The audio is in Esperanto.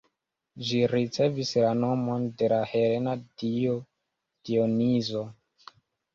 Ĝi ricevis la nomon de la helena dio Dionizo.